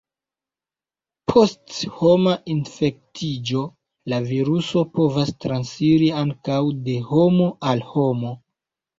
Post homa infektiĝo, la viruso povas transiri ankaŭ de homo al homo.